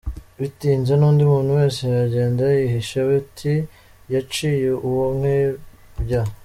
Bitinze n’undi muntu wese yagenda yihishe, bati "Yaciye uwa Nkebya.